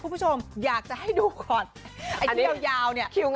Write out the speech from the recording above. คุณผู้ชมอยากจะให้ดูก่อนไอ้ที่ยาวยาวเนี่ยคิว